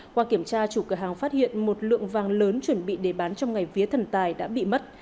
qua kiểm tra chủ cửa hàng phát hiện một lượng vàng lớn chuẩn bị để bán trong ngày vía thần tài đã bị mất